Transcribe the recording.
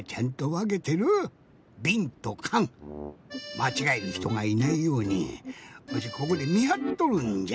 まちがえるひとがいないようにわしここでみはっとるんじゃ。